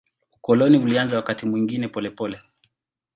Ukoloni ulianza wakati mwingine polepole.